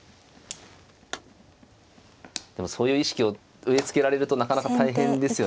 でもそういう意識を植えつけられるとなかなか大変ですよね。